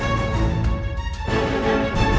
ya udah kita masuk